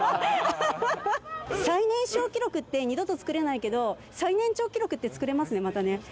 最年少記録って二度と作れないけど、最年長記録って作れますね、またね。